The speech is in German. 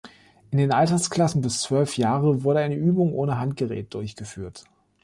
In den Altersklassen bis zwölf Jahre wird eine Übung ohne Handgerät durchgeführt.